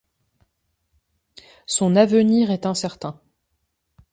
Son avenir est incertain.